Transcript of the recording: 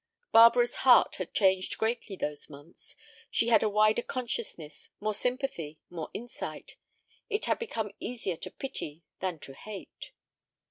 Barbara's heart had changed greatly those months. She had a wider consciousness, more sympathy, more insight. It had become easier to pity than to hate.